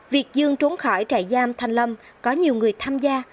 việc dương trốn khỏi trại giam thanh lâm có nhiều người tham gia